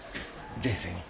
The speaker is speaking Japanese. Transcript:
冷静に。